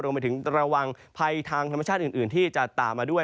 รวมไปถึงระวังภัยทางธรรมชาติอื่นที่จะตามมาด้วย